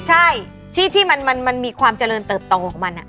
ใช่ที่มันมีความเจริญเติบโตของมัน